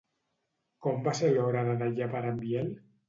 Com va ser l'hora de dallar per a en Biel?